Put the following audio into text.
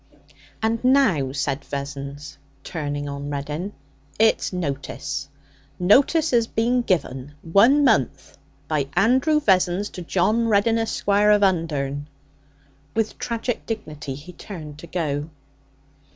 'And now,' said Vessons, turning on Reddin, 'it's notice. Notice has been give one month by Andrew Vessons to John Reddin, Esquire, of Undern.' With tragic dignity he turned to go.